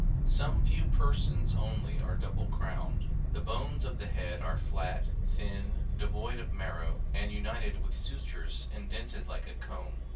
Some few persons only are double crowned. The bones of the head are flat, thin, devoid of marrow, and united with su tures indented like a comb.